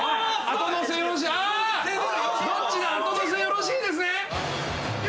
後乗せよろしいですね？